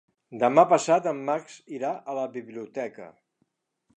Demà passat en Max irà a la biblioteca.